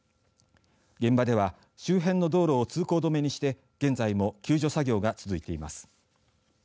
現場では周辺の道路を通行止めにして現在も救助作業が続いています。